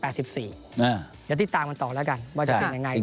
เดี๋ยวติดตามกันต่อแล้วกันว่าจะเป็นยังไง